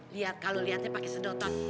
liat kalo liatnya pake sedotan